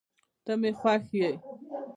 ته مي خوښ یې